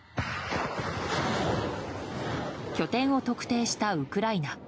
拠点を特定したウクライナ。